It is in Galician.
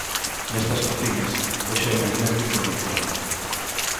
Nestas cociñas hoxe hai máis nervios do habitual.